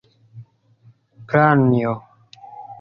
Pranjo!